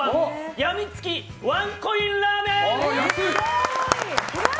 やみつきワンコインラーメン！